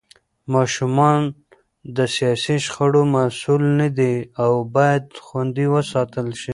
ماشومان د سياسي شخړو مسوول نه دي او بايد خوندي وساتل شي.